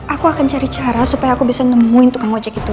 aku akan cari cara supaya aku bisa nemuin tukang ojek itu